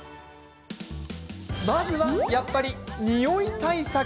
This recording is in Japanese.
まずはやっぱり、におい対策。